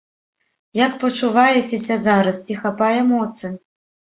Як пачуваецеся зараз, ці хапае моцы?